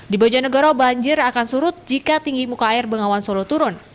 di bojonegoro banjir akan surut jika tinggi muka air bengawan solo turun